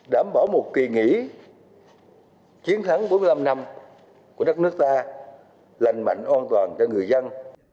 đảm bảo một kỳ nghỉ chiến thắng bốn mươi năm năm của đất nước ta lành mạnh an toàn cho người dân